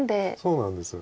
そうなんです。